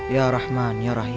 ya rahman ya rahim